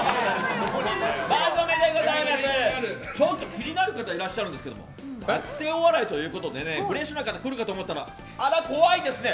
気になる方いらっしゃるんですけども学生お笑いということでフレッシュな方来るかと思ったら怖いですね。